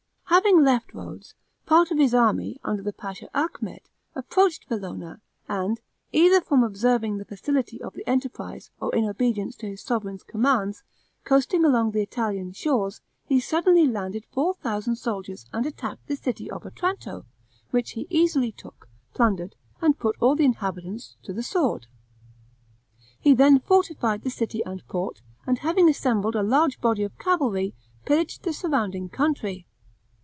Having left Rhodes, part of his army, under the Pasha Achmet, approached Velona, and, either from observing the facility of the enterprise, or in obedience to his sovereign's commands, coasting along the Italian shores, he suddenly landed four thousand soldiers, and attacked the city of Otranto, which he easily took, plundered, and put all the inhabitants to the sword. He then fortified the city and port, and having assembled a large body of cavalry, pillaged the surrounding country.